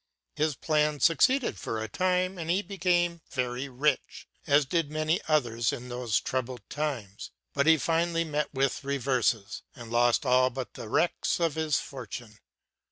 His plans succeeded for a time, and he became very rich, as did many others in those troublous times; but he finally met with reverses, and lost all but the wrecks of his fortune.